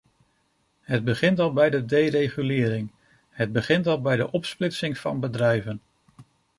Het begint al bij de deregulering, het begint al bij de opsplitsing van bedrijven.